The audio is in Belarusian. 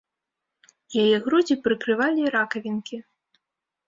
Яе грудзі прыкрывалі ракавінкі.